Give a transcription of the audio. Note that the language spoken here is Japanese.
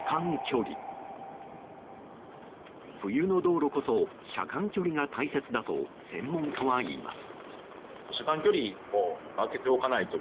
冬の道路こそ車間距離が大切だと専門家は言います。